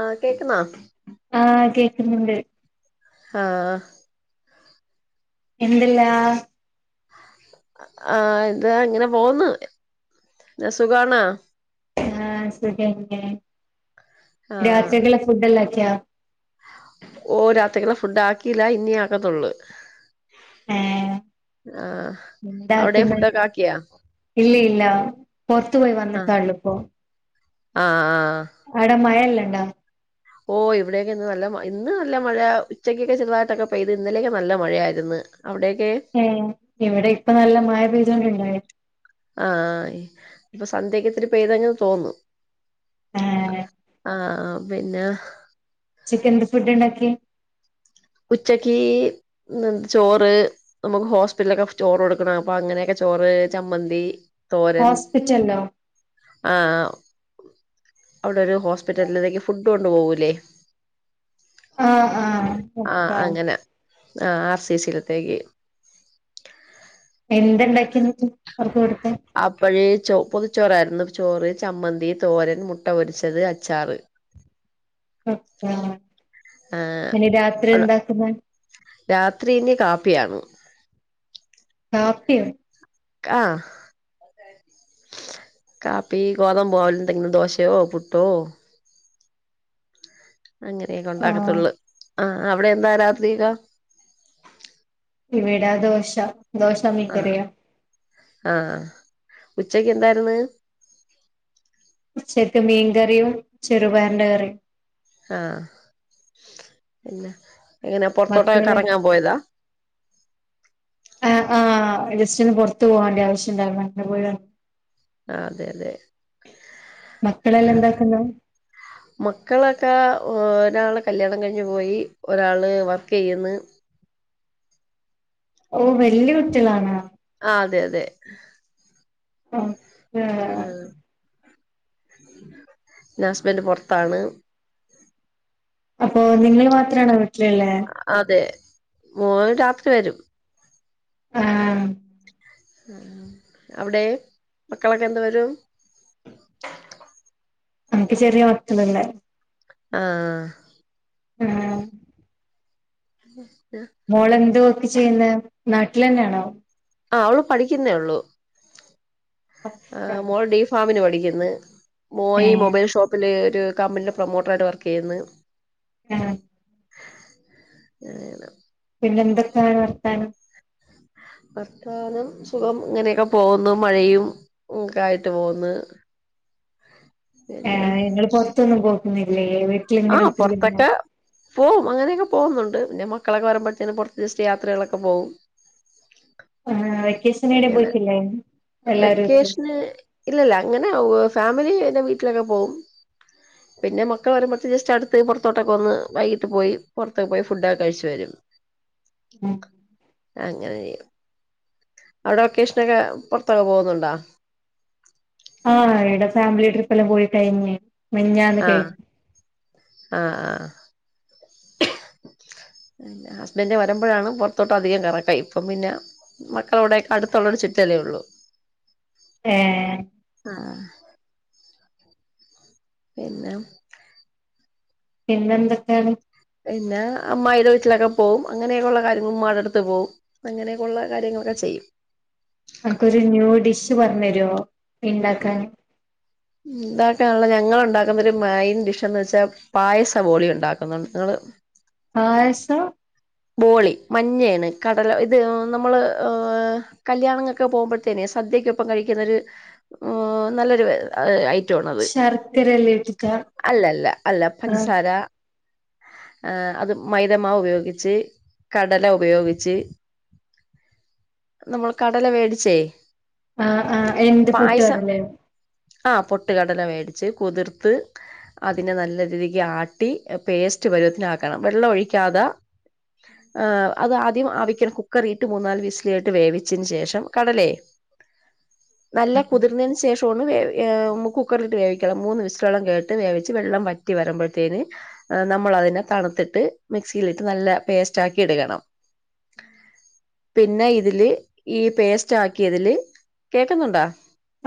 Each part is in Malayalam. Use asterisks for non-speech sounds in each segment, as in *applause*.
ആഹ് കേക്കുന്നോ ആഹ് കേക്കുന്നുണ്ട് ആഹ് എന്ത്ല്ലാ ആഹ് എന്താ അങ്ങനെ പോവ്ന്ന് സുഖവാണോ? ആഹ് സുഖന്നെ ആഹ് രാത്രിക്ക്ളെ ഫുഡ് എല്ലാം ആക്കിയൊ? ഓ രാത്രക്കല്ല ഫുഡ് ആക്കിയില്ല ഇനി ആക്കത്തൊള്ളൂ ഏഹ് ആഹ് അവ്ടെ എന്താക്കുന്നെ ഫുഡൊക്കെ ആക്കിയാ? ഇല്ല ഇല്ല പൊർത്തു പോയി വന്നട്ടാള്ളുപ്പോ. ആഹ് ആഹ് അടെ മഴല്ലണ്ടോ? ഓഹ് ഇവിടെയൊക്കെ ഇന്ന് നല്ല ഇന്ന് നല്ല മഴ ഉച്ചക്കൊക്കെ ചെറുതായിട്ടൊക്കെ പെയ്ത് ഇന്നലെയൊക്കെ നല്ല മഴയായിരുന്നു. അവിടെയൊക്കെ? ഏ ഇവിടെ ഇപ്പ നല്ല മഴ പെയ്തോണ്ടുണ്ടായി ആഹ് ഇപ്പൊ സന്ധ്യക്ക് ഇത്തിരി പെയ്തങ്ങങ് തോന്നുന്നു. ഏഹ് ആഹ് പിന്നെ, ഉച്ചെക്കെൻന്ത ഫുഡ് ഇണ്ടാക്കിയേ? ഉച്ചക്ക് ഇന്ന് ചോറ്, നമുക്ക് ഹോസ്പിറ്റലിലൊക്കെ ചോറ് കൊടുക്കണം അപ്പൊ അങ്ങനെയൊക്കെ ചോറ്, ചമ്മന്തി, തോരൻ ഹോസ്പിറ്റലിലോ ആഹ് ആഹ് അവിടെരു ഹോസ്പിറ്റലിലേക്ക് ഫുഡ് കൊണ്ട് പോവുലെ ആഹ് ആഹ് ആഹ് ഒക്കാ അങ്ങനെ ആഹ് ആർ സി സിയിലത്തേക്ക് എന്തണ്ടാക്കിയെന്നട്ട് അവർക്ക് കൊടുക്കാൻ അപ്പോഴേ ചോ പൊതിച്ചോറായിരുന്നു ചോറ്, ചമ്മന്തി, തോരൻ, മുട്ട പൊരിച്ചത് അച്ചാറ് ആ ഇനി രാത്രി എന്താക്കുന്നെ രാത്രി ഇനി കാപ്പിയാണ് കാപ്പിയോ? ആഹ് കാപ്പി ഗോതമ്പ് പോലെ എന്തെങ്കിലും ദോശയോ, പുട്ടോ അങ്ങനെയൊക്കെ ആഹ് ഉണ്ടാക്കത്തൊള്ള് ആഹ് അവിടെ എന്താ രാത്രിയില് ഇവിടെ ദോശ ദോശ ആഹ് മീൻകറിയാ ആഹ് ഉച്ചക്ക് എന്തായിരുന്ന് ഉച്ചക്ക് മീൻ കറിയും ചെറുപയറിന്റെ കറിയും ആഹ് പിന്നെ എങ്ങനാ പൊറത്തോട്ടൊക്കെ മക്കള് കറങ്ങാൻ പോയതാ ആഹ് ആഹ് ജസ്റ്റന്ന് പൊറത്തു പോകേണ്ടി ആവശ്യണ്ടായിരുന്നു അങ്ങനെ പോയതാ ആഹ് അതെ അതെ മക്കളെല്ലാം എന്താക്കുന്നു മക്കളൊക്കെ ഒരാൾ കല്യാണം കഴിഞ്ഞ് പോയി ഒരാൾ വർക്ക് ചെയ്യുന്നു ഓഹ് വല്യ കുട്ടികളാണോ ആഹ് അതെ അതെ ആഹ് ആഹ് എന്റെ ഹസ്ബൻഡ് പുറത്താണ് അപ്പൊ നിങ്ങള് മാത്രണോ വീട്ടിലുള്ളെ അതെ മോള് രാത്രി വരും ആഹ് അവിടെ മക്കളൊക്കെ എന്ന് വരും എനിക്ക് ചെറിയ മക്കളല്ലേ ആഹ് പ്പ ഞാൻ ഉ *unintelligible* മോളെന്തോ ഇവിടെ ചെയ്യുന്ന നാട്ടിൽ തന്നെയാണോ ആഹ് അവള് പഠിക്കുന്നേ ഉള്ളൂ ആഹ് മോൾ ഡി ഫാമിന് പഠിക്കുന്നു ഏ മോയി മൊബൈൽ ഷോപ്പ് അല് ഒരു കമ്പനിയുടെ പ്രൊമോട്ടറായിട്ട് വർക്ക് ചെയ്യുന്നു ആഹ് *unintelligible* പിന്നെ എന്തൊക്കെയാണ് വർത്താനം വർത്താനം സുഖം ഇങ്ങനെയൊക്കെ പോകുന്നു മഴയും ഒക്കെ ആയിട്ട് പോകുന്നു ആഹ് ങ്ങൾ പുറത്തൊന്നും പോക്കുന്നില്ലേ വീട്ടി ആഹ് പുറത്തൊക്കെ പോവും അങ്ങനെയൊക്കെ പോകുന്നുണ്ട് പിന്നെ മക്കളൊക്കെ വരുമ്പോഴത്തേും പുറത്ത് ജസ്റ്റ് യാത്രകളൊക്കെ പോവും ആഹ് വെക്കേഷൻ എവിടെ അങ്ങനെ പോയിട്ടില്ലായിരുന്നു വെക്കേഷന് ഇല്ലല്ല അങ്ങനെ ഫാമിലിടെ വീട്ടിലൊക്കെ പോകും *inaudible* പിന്നെ മക്കൾ വരുമ്പഴത്തെന് ജസ്റ്റ് അടുത്ത് പുറത്തോട്ടക്കെ ഒന്ന് വൈകിട്ട് പോയി പുറത്തൊക്കെ പോയി ഫുഡൊക്ക കഴിച്ച് വരും അങ്ങനെ ചെയ്യ അവിടെ വെക്കെഷനൊക്കെ പുറ ത്തൊക്കെ പോകുന്നുണ്ടോ ആഹ് ഇടെ ഫാമിലി ട്രിപ്പ് എല്ലാം പോയി കഴിഞ്ഞ് മിനിഞ്ഞാന്ന് ആഹ് കഴിഞ്ഞു ആഹ് ആഹ് *inaudible* പിന്ന ഹസ്ബൻഡ് വരുമ്പോഴാണ് പുറത്തോട്ടും അധികം കറക്കം ഇപ്പം പിന്നെ മക്കളോവിടയൊക്കെ അടുത്തുള്ളരു ചുറ്റലേ ഉള്ളൂ ഏഹ് ആഹ് പിന്നെ പിന്നെന്തൊക്കെയാണ് പിന്നെ അമ്മായിയുടെ വീട്ടിലൊക്കെ പോകവും അങ്ങനെയൊക്കെ ഉള്ള കാര്യങ്ങൾ ഉമ്മാടെ അടുത്ത് പോകവും അങ്ങനെയൊക്കെയുള്ള കാര്യങ്ങളൊക്കെ ചെയ്യും നമക്കൊരു ന്യൂ ഡിഷ് പറഞ്ഞുരുമോ ഉണ്ടാക്കാൻ ഉണ്ടാക്കാനുള്ള ഞങ്ങൾ ഉണ്ടാക്കുന്നരു മെയിൻ ഡിഷന്ന് വെച്ചാൽ പായസ ബോളി ഉണ്ടാക്കുന്നുണ്ട് നിങ്ങൾ പായസം ബോളി മഞ്ഞയണ് കടല ഇത് നമ്മള് ഏഹ കല്യാണങ്ങൊക്കെ പോകുമ്പോഴത്തേനെ സദ്യക്കൊപ്പം കഴിക്കുന്നൊരു നല്ലൊരു ഏ ആയിറ്റോണത് ശർക്കരയെല്ലാം ഇട്ടിട്ടാ അല്ല അല്ല അല്ല ആഹ് പഞ്ചസാര ആഹ അത് മൈദമാവ് ഉപയോഗിച്ച ച്ച് കടല ഉപയോഗിച്ച് നമ്മൾ കടല മേടിച്ചേ ആഹ ആഹ എന്ത് പൊട്ടുകടല ഓ ആഹ പൊട്ടുകടല മേടിച്ച് കുതിർത്ത് അതിനെ നല്ല രീതിക്ക് ആട്ടി പേസ്റ്റ് പരുവത്തിനാക്കണം വെള്ളം ഒഴിക്കാതെ ആഹാ അത് ആദ്യം ആവിക്കൻ കുക്കറി ഇട്ട് മൂന്ന നാല് വിസിലായിട്ട് വേവിച്ചതിന് ശേഷം കടലേ *unintelligible* നല്ല കുതിർന്നതിന് ശേഷംമാണ് കുക്കറട്ട് വേവിക്കണം മൂന്ന് വിസിൽ ഓളം കേട്ട് വേവിച്ച് വെള്ളം വറ്റി റ്റി വരുമ്പോഴത്തേന് നമ്മളതിനെ തണുത്തിട്ട് മിക്സിൽ ഇട്ട് നല്ല പേസ്റ്റ് ആക്കി എടുക്കണം പിന്നെ ഇതില് ഈ പേസ്റ്റ് ആക്കിതില് കേക്കുന്നുണ്ടോ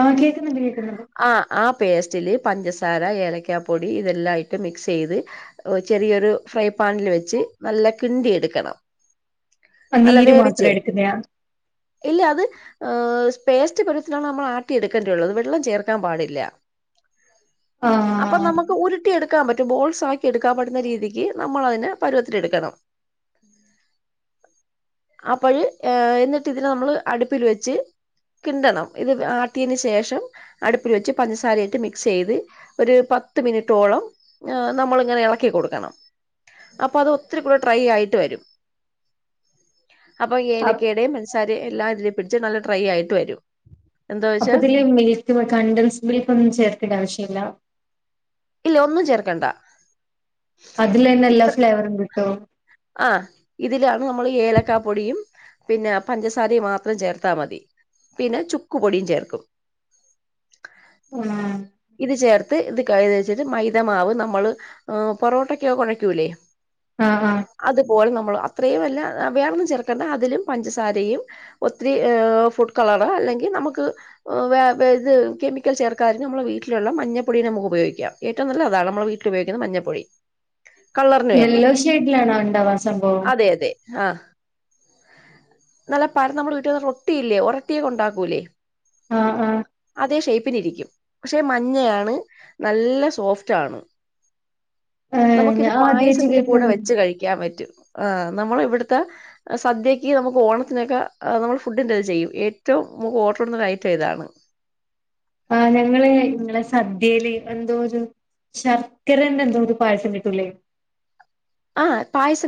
ആഹ് കേൾക്കുന്നുണ്ട് കേൾക്കുന്നുണ്ട് ആഹ ആ പേസ്റ്റില് പഞ്ചസാര ഏലക്ക പൊടി ഇതെല്ലാംയിട്ട് മിക്സ് ചെയ്ത് ചെറിയൊരു ഫ്രൈ പാനിൽ വെച്ച് നല്ല കിണ്ടി എടുക്കണം ആഹ് നല്ല നീര് മാത്രം വേവിച്ചേ എടുക്കുന്നയാ ഇല്ല അത് ആഹാ പേസ്റ്റ് പരത്തിലാണ് നമ്മൾ ആട്ടിയെടുക്കേണ്ടിയുള്ളത്ത് വെള്ളം ചേർക്കാൻ പാടില്ല ആഹ അപ്പൊ നമുക്ക് ഉരുട്ടി എടുക്കാൻ പറ്റും ബോൾസ് ആക്കി എടുക്കാൻ പറ്റുന്ന രീതിക്ക് നമ്മളതിനെ പരു എടുക്കണം *unintelligible* അപ്പോഴ എന്നിട്ട് ഇതിനന് നമ്മള് അടുപ്പിൽ വെച്ച് കിണ്ടണം ഇത് ആട്ടിയന് ശേഷം അടുപ്പിൽ വെച്ച് പഞ്ചസാരയായിട്ട് മിക്സ് ചെയ്ത് ഒരു പത്ത് മിനിറ്റോളം നമ്മൾ ഇങ്ങനെ ഇളക്കികോടുക്കണം അപ്പൊ അത് ഫ്രൈ ആയിട്ട് വരും അപ്പൊ അപ് ഏലക്കേടയും മസാര എല്ലാ പിടിച്ച് നല്ല ട്രൈ ആയിട്ട് വരും എന്താ അപ്പൊ വെച്ചാ ഇതില് മിൽക്ക് കണ്ടൻസ് മിൽക്ക് ഒന്നും ചേർക്കേണ്ട ആവശ്യമില്ല ഇല്ല ഒന്നും ചേർക്കണ്ട അതിലന്നെ എല്ലാ ഫ്ലേവറും കിട്ടും ആഹ ഇതിലാണ് നമ്മൾ ഏലക്കാ പൊടിയും പിന്നെ പഞ്ചസാരയും മാത്രം ചേർത്താൽ മതി പിന്നെ ചുക്ക് പൊടിയും ചേർക്കും ആഹ ഇത് ചേർത്ത് ഇത് കത് വെച്ചിട്ട് മൈദമാവ് നമ്മൾ പൊറോട്ടക്കോ കുഴയ്ക്കൂല്ലേ ആഹ ആഹ അതുപോലെ നമ്മൾ അത്രയും വല്ല വേറെന്നും ചേർക്കേണ്ട അതിലും പഞ്ചസാരയും ഒത്തിരി ഫുഡ് കളറ അല്ലെങ്കിൽ നമുക്ക് ആഹാ വേ വേ ഇത് കെമിക്കൽ ചേർക്കാും നമ്മളുടെ വീട്ടിലുള്ള മഞ്ഞപ്പൊടീ നമുക്ക് ഉപയോഗിക്കാ ഏറ്റോ നല്ലാ അതാണ് മ്മള വീട്ടിലുപയോഗിക്കണ മഞ്ഞൾപ്പൊടി. യെല്ലോ ഷെയ്ഡിലാണോ ണ്ടാവാ സംഭവം. തെ അതെ ആഹ് നല്ല പരന്നമ്മളെ വീട്ടിലൊള്ള റോട്ടിയില്ലേ ഒറട്ടിയൊക്കെ ണ്ടാക്കൂലേ. ആഹ് ആഹ്. അതേ ഷേ്പ്പിനിരിക്കും പക്ഷെ മഞ്ഞയാണ് നല്ല സോഫ്റ്റ് ആണ്. ഏഹ് നമക്കിത് ഞാൻ ആദ്യായിട്ട് പായസത്തില് കൂടെ കേൾക്കാണ്. വെച്ച് കഴിക്കാൻ പറ്റും ആഹ് നമ്മള് ഇവിട്ത്തെ സദ്യക്ക് നമുക്ക് ഓണത്തിനൊക്ക നമ്മൾ ഫുഡിന്റെ ഇത് ചെയ്യും ഏറ്റവും നമുക്ക് ഓർഡർ വരുന്നരയിറ്റം ഇതാണ്. ആഹ് ഞങ്ങള് ഇങ്ങളെ സദ്യെല് എന്തോരു ശർക്കരന്റന്തോരു പായസങ്കിട്ടൂലെ. ആഹ് പായസ്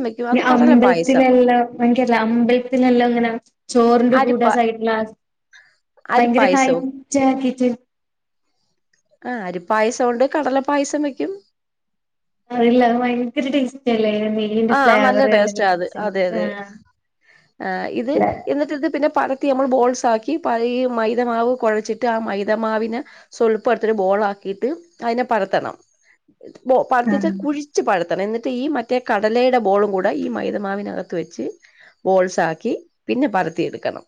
അമ്പൽത്തിലെല്ല *unintelligible* അമ്പൽത്തിലെല്ലോങ്ങന ചോർന്റെ കൂട അരിപ്പ സൈഡ്ല ഭയങ്കര അരിപ്പായസവും ടൈറ്റ് ആകീറ്റ്. ആഹ് അരിപായസൊണ്ട് കടലപായസം വെയ്ക്കും. അതല്ല അത് ഭയങ്കര ടേസ്റ്റല്ലേ ആഹ് നല്ല ടേസ്റ്റാത് അതെയതെ ആഹ് ഇത് ല്ലെ ഇന്നിട്ടിത് പിന്നെ പ ത്തി അമ്മള് ബോൾസ് ആക്കി പ ഈ മൈദമാവ് കൊഴച്ചിട്ട് ആഹ് മൈദമാവിന് സ്വൽപ്പെടുത്തിട്ട് ബോളാക്കീട്ട് അയിനെ പരത്തണം. ബോ പരത്തീട്ട് ആഹ് കുഴിച്ച് പരത്തണവെന്നിട്ട് ഈ മറ്റേ കടലേടെ ബോളുകൂടെ ഈ മൈദമാവിനകത്ത് വെച്ച് ബോൾസാക്കി പിന്നെ പരത്തിയെട്ക്കണം.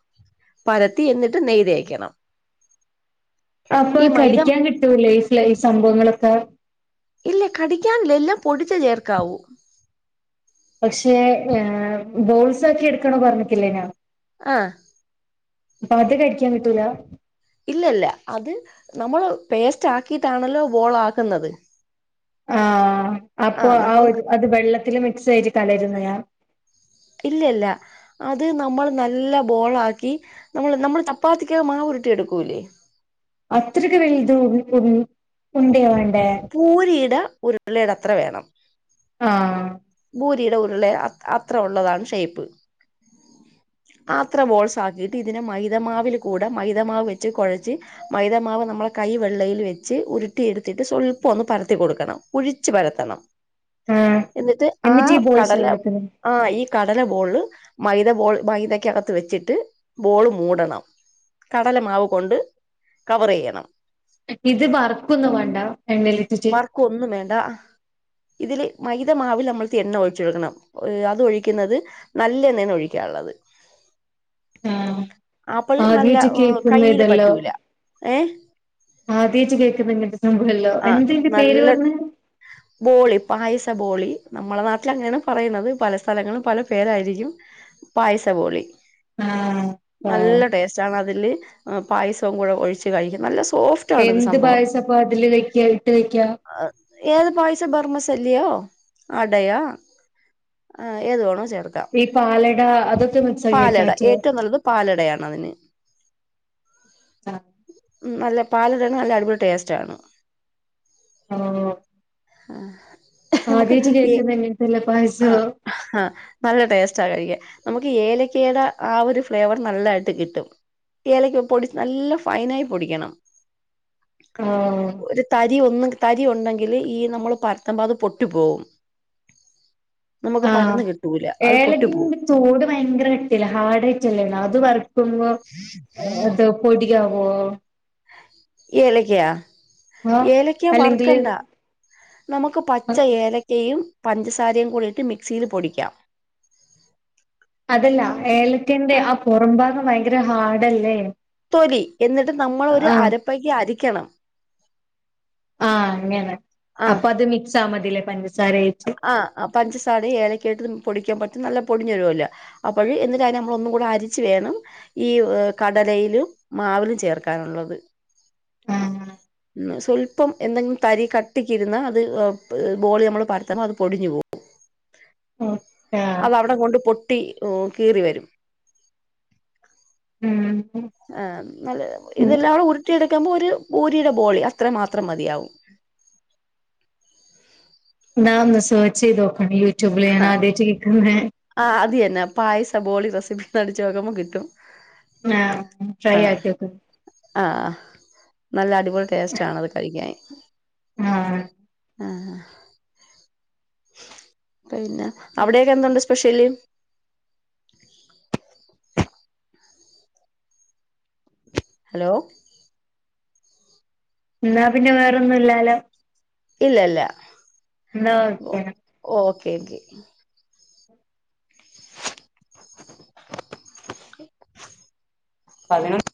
പരത്തി യെന്നിട്ട് നെയ്തേയ്ക്കണം. അപ്പ മൈദ കടിക്യാങ്കിട്ടൂലെ ഈ സംഭവങ്ങളൊക്കെ. ഇല്ല കടിക്കാൻല്ല എല്ലാം പൊടിച്ചേ ചേർക്കാവൂ. പക്ഷേ ബോൾസാക്കി എടുക്കണോ പറഞ്ഞിട്ടില്ലേനോ? ആഹ്. അപ്പത് കടിക്യാങ്കിട്ടൂല? ഇല്ലല്ല അത് നമ്മള് പേസ്റ്റാക്കിട്ടാണല്ലോ ബോളാക്ക്ന്നത്. ആഹ് അപ്പൊ ആഹ് നമ്മൾ ഒരു അത് വെള്ളത്തില് മിക്സ് ആയിട്ട് കലര്ന്നെയാ ഇല്ലല്ല. അത് നമ്മള് നല്ല ബോളാക്കി നമ്മള് നമ്മൾ ചപ്പാത്തിക്ക മാവ്രുട്ടി എടുക്കൂല്ലേ അത്രയ്ക്ക് വലുത് ഉൺ ഉണ്ട്യ വാണ്ടേ. പൂരിട ഉരുളെടത്ര വേണം. ആഹ് ഭൂരിയുടെ ഉരുളെ അത്ര ഉള്ളതാണ് ഷേപ്പ്. ആത്ര ബോൾസാക്കീട്ട് ഇതിന മൈതമാവില് കൂട മൈതമാവ് വെച്ച് കൊഴച്ച് മൈദാമാവ് നമ്മള കൈ വള്ളയില് വെച്ച് ഉരുട്ടിയെടുത്തിട്ട് സ്വ പ്പവൊന്ന് പരത്തി കൊടുക്കണം ഉഴിച്ച് പരത്തണം ആഹ് എന്നിട്ട് ഈ ആഹ് ബോൾസ് കടല ശരിയാക്കുന്നു ആഹ് ഈ കടല ബോള് മൈത ബോൾ മൈതയ്ക്കകത്ത് വെച്ചിട്ട് ബോള് മൂടണം. കടല മാവ് കൊണ്ട് കവറെയ്യണം. ഇത് വറക്കൊന്നുംവാണ്ട എണ്ണേലിറ്റിട്ട്? ക്കൊന്നും വേണ്ടാ. ഇതില് മൈദമാവില് നമ്മള് എണ്ണ ഒഴിചൊടുക്കണം അതൊഴിക്കുന്നത് നല്ലെണ്ണയിലൊഴിക്ക *unintelligible* അപ്പോൾ നല്ല *unintelligible* കേക്ക്ന്നെ കയ്യിൽ തെല്ലോ. പറ്റൂല ഏഹ് ആദ്യയിറ്റ് കേക്ക്ന്നെ ഇങ്ങൻത്തെ സംഭവെല്ലോ ആ എന്തെന്റെ പേര് നല്ല പറന്ന്? ബോളി പായസ ബോളി നമ്മള നാട്ടിലങ്ങാനാണ് പറയ്ന്നത് പല സ്ഥലങ്ങളും പല പേരായിരിക്കും. പായസ ബോളി. ആഹ് ആഹ് നല്ല ടേസ്റ്റാണതില് പായസവുംക്കൂടെ ഒഴിച്ച് കഴിക്കും നല്ല സോഫ് എന്ത് പായസപ്പോ അതില് കയ്ക്യാ ഇട്ട് വയ്ക്യാ? ഏത് പായസം ബെർമസെല്ലിയോ അടയാ- ആഹ് ഏത് വേണോ ചേർ ഈ പാലട അതൊക്കെ മിക്‌സാക്കി കഴിക്കാൻ പറ്റ്വോ? പാലടയാണതിന്. ആഹ്. നല്ല പാലടണ് നല്ല അടിപൊളി ടേസ്റ്റ് ആണ്. ഓഹ്. ആഹ. ആദ്യയാട്ട് കേക്കുന്നെ അല്ലെ എല്ലാം പായസോം ആഹ് നല്ല ടേസ്റ്റാ കഴിക്കാൻ- നമുക്ക് ഏലക്കടെ ആ ഒരു ഫ്ലേവർ നല്ലായിട്ട് കിട്ടും. ഏലയ്ക്ക് പൊടി നല്ല ഫൈനായി പൊടിക്കണം. ഓഹ് ഒരു തരി ഒന്ന് തരി ഒണ്ടെങ്കില് ഈ നമ്മള് പരത്തുമ്പോൾ അത് പൊട്ടി പോവും. നമക്ക് പരന്ന് കിട്ടു ഏലത്തിന്റെ തോട് ഭയങ്കര കട്ടില്ല ഹാർഡ് ആയിട്ടല്ലേ അത് വറക്കുമ്പോ- *inaudible* അത് പൊടി ആവോ? ഈ ഏലക്കയാ- ആഹ് ഏലക്ക അല്ലെങ്കില് വറ്ക്കണ്ട നമുക്ക് പച്ച ഏലക്കയും പഞ്ചസാരയും കൂടിയിട്ട് മിക്സിയില് പൊടിക്കാം- അതല്ല ഏലക്കന്റെ ആ പൊറം ഭാഗം ഭയങ്കര ഹാർഡല്ലേ? തൊലി എന്നിട്ട് നമ്മൾ ഒരു ആഹ് അരപ്പക്ക് അരിക്കണം- ആഹ് അങ്ങനെ ആഹ് അപ്പൊ അത് മിക്സ് ആ മതില്ലേ പഞ്ചസാരയിട്ട്. ആഹ് പഞ്ചസാരയും ഏലക്ക ആയിട്ട് പൊടിക്കാൻ പറ്റും നല്ല പൊടിഞ്ഞുവരുവല്ലോ അപ്പഴ്‌ എന്നിട്ട് അതിനെ നമ്മള് ഒന്നും കൂടെ അരിച്ചു വേണം ഈ വ് കടലയിലും മാവിലും ചേർക്കാനൊള്ളത്. ആഹ് സ്വല്പം എന്തെങ്കിലും തരി കട്ടിക്കിരുന്നാ അത് ബ് ബോളി നമ്മള് പരത്ത്മ്പോ അത് പൊടിഞ്ഞു പോവും. ആഹ് അത് അവിടം കൊണ്ട് പൊട്- ട്ടി ഓ കീറി വരും ഉം ആഹ് നല്ലേ ഇതെല്ലാടേ ഉരുട്ടിയെടുക്കുമ്പോ ഒരു ബൂരിയുടെ ബോളി അത്രേ മാത്രം മതിയാവും. ഞാൻ ഒന്ന് സേർച്ച് ചെയ്ത് നോക്കട്ട് യൂട്യൂബ് ല് ഞാൻ ആദ്യായിട്ട് കേക്കുന്നേ- ആഹ് അത് തന്നെ പായസ ബോളി റെസിപ്പിന്ന് അടിച്ചു കൊട്ക്കുമ്പോ കിട്ടും. ആഹ് ട്രൈ ആക്കി നോക്ക്- ആഹ് അഹ് നല്ല അടിപൊളി ടേസ്റ്റ് ആണത് കഴിക്കാൻ- ആഹ്. ആഹ്. പിന്നെ അവിടെയൊക്കെ എന്തുണ്ട് സ്പെഷ്യല്- ഹലോ. എന്നാ പിന്നെ വേറൊന്നുല്ലാലോ- ഇല്ല ല്ല എന്നാ വെക്കയാണ് ഓക്കെ ക്കെ പതിനൊന്ന്